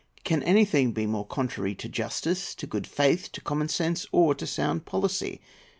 Can anything be more contrary to justice, to good faith, to common sense, or to sound policy?